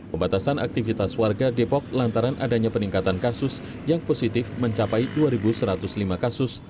pembatasan aktivitas warga depok lantaran adanya peningkatan kasus yang positif mencapai dua satu ratus lima kasus